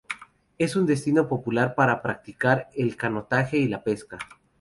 Es un destino popular para practicar el canotaje y la pesca.